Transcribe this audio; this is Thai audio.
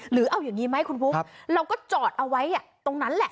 หรือเอาอย่างนี้ไหมคุณบุ๊คเราก็จอดเอาไว้ตรงนั้นแหละ